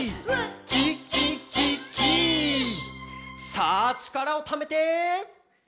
「さあちからをためて！」